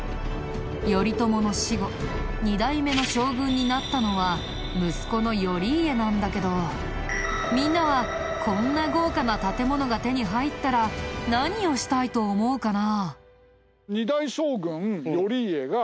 頼朝の死後２代目の将軍になったのは息子の頼家なんだけどみんなはこんな豪華な建物が手に入ったら何をしたいと思うかな？